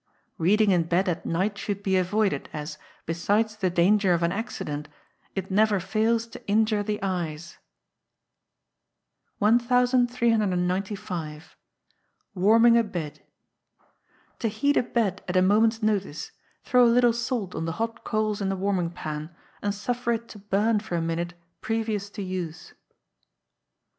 Reading in bed at night should be avoided, as, besides the danger of an accident, it never fails to injure the eyes. 1395. Warming a Bed. To heat a bed at a moment's notice, throw a little salt on the hot coals in the warming pan, and suffer it to burn for a minute previous to use.